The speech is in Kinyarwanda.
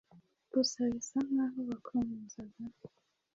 gusa bisa nkaho bakomezaga